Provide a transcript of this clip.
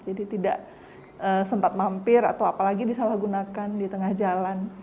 jadi tidak sempat mampir atau apalagi disalahgunakan di tengah jalan